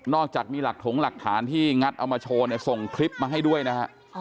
อกจากมีหลักถงหลักฐานที่งัดเอามาโชว์เนี่ยส่งคลิปมาให้ด้วยนะฮะ